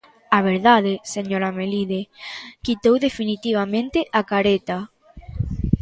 A verdade, señora Melide, quitou definitivamente a careta.